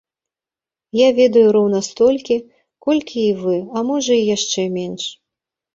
Я ведаю роўна столькі, колькі і вы, а можа, і яшчэ менш.